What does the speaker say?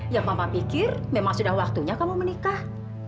yang mama pikir memang sudah waktunya kamu menikah